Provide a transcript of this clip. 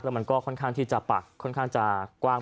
มันก็ค่อนข้างที่จะปักค่อนข้างจะกว้าง